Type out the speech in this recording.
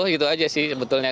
gitu aja sih sebetulnya